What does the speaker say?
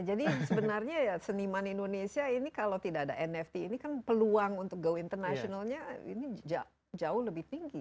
jadi sebenarnya ya seniman indonesia ini kalau tidak ada nft ini kan peluang untuk go international nya ini jauh lebih tinggi